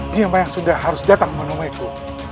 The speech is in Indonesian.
dia mayang sunda harus datang ke rumahku